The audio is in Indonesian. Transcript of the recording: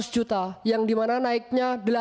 lima ratus juta yang dimana naiknya